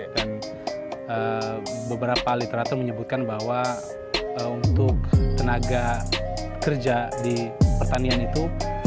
dan beberapa literatur menyebutkan bahwa untuk tenaga kerja di pertanian itu